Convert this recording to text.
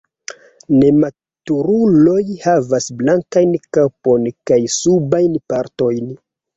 Nematuruloj havas blankajn kapon kaj subajn partojn.